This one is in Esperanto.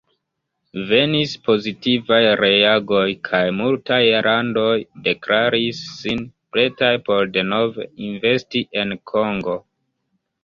Venis pozitivaj reagoj kaj multaj landoj deklaris sin pretaj por denove investi en Kongo.